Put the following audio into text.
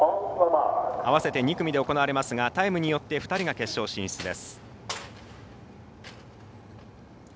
合わせて２組で行われますがタイムによって２人が決勝進出です。